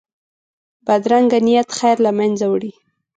بدرنګه نیت خیر له منځه وړي